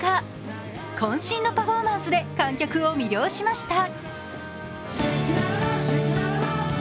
こん身のパフォーマンスで観客を魅了しました。